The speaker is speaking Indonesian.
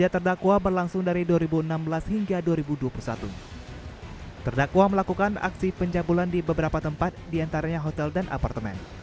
terdakwa melakukan aksi pencabulan di beberapa tempat diantaranya hotel dan apartemen